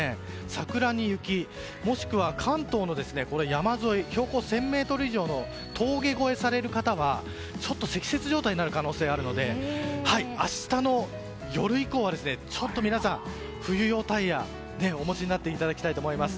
桜に雪、もしくは関東の山沿い標高１０００ｍ以上の峠越えされる方はちょっと積雪状態になる可能性があるので明日の夜以降はちょっと皆さん、冬用タイヤをお持ちになっていただきたいと思います。